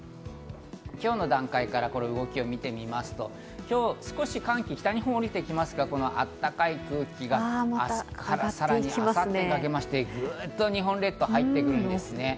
今日の段階から動きを見てみますと、今日少し寒気、北日本に降りてきますが、この暖かい空気が明日からさらに明後日にかけまして、グッと日本列島に入ってくるんですね。